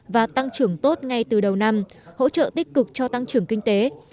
và tăng trưởng tốt ngay từ đầu năm hỗ trợ tích cực cho tăng trưởng kinh tế